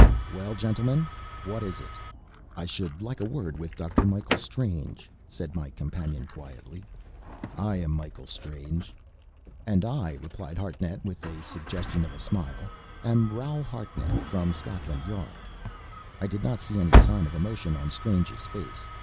"Well, gentlemen? What is it?" "I should like a word with Dr. Michael Strange," said my companion quietly. "I am Michael Strange." "And I," replied Hartnett, with a suggestion of a smile, "am Raoul Hartnett, from Scotland Yard." I did not see any sign of emotion on Strange's face.